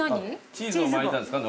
チーズを巻いたんですかのりで。